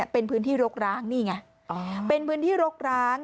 เป็นพื้นที่รกร้างนี่ไงเป็นพื้นที่รกร้าง